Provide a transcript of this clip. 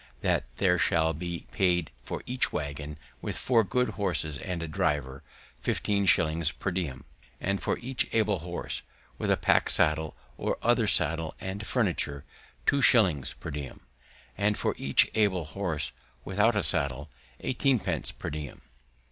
That there shall be paid for each waggon, with four good horses and a driver, fifteen shillings per diem; and for each able horse with a pack saddle, or other saddle and furniture, two shillings per diem; and for each able horse without a saddle, eighteen pence per diem.